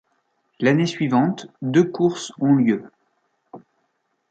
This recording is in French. L'année suivante, deux courses ont lieu.